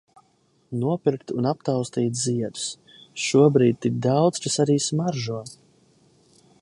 Nopirkt un aptaustīt ziedus. Šobrīd tik daudz kas arī smaržo.